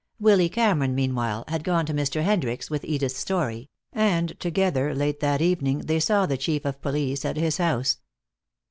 Willy Cameron, meanwhile, had gone to Mr. Hendricks with Edith's story, and together late that evening they saw the Chief of Police at his house.